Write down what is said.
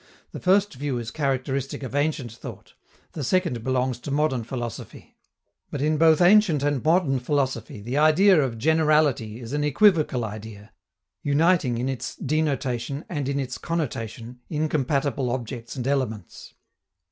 The first view is characteristic of ancient thought; the second belongs to modern philosophy. But in both ancient and modern philosophy the idea of "generality" is an equivocal idea, uniting in its denotation and in its connotation incompatible objects and elements.